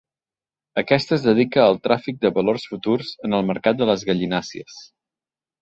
Aquesta es dedica al tràfic de valors futurs en el mercat de les gallinàcies.